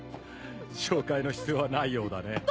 紹介の必要はないようだね。